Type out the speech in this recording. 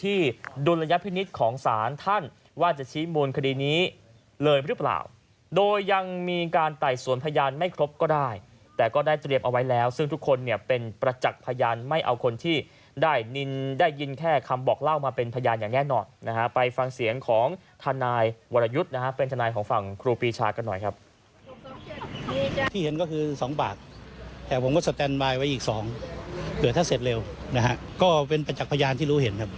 ภาพดุระยะพินิษฐ์ของศาลท่านว่าจะชี้มูลคดีนี้เลยหรือเปล่าโดยยังมีการไต่สวนพยานไม่ครบก็ได้แต่ก็ได้เตรียมเอาไว้แล้วซึ่งทุกคนเนี่ยเป็นประจักษ์พยานไม่เอาคนที่ได้นินได้ยินแค่คำบอกเล่ามาเป็นพยานอย่างแน่นอนนะฮะไปฟังเสียงของฐานายวรยุทธ์นะฮะเป็นฐานายของฝั่งครูปีชากันหน่อยคร